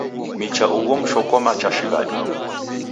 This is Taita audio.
Micha ugho mshokoma cha shighadi.